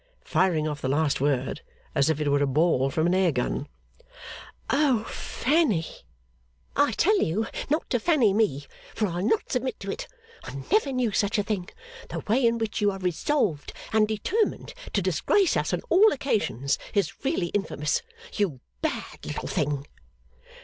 (firing off the last word as if it were a ball from an air gun). 'O Fanny!' 'I tell you not to Fanny me, for I'll not submit to it! I never knew such a thing. The way in which you are resolved and determined to disgrace us on all occasions, is really infamous. You bad little thing!